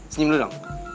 senyum dulu dong